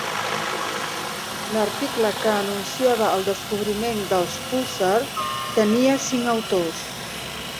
L'article que anunciava el descobriment dels púlsars tenia cinc autors.